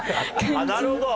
なるほど。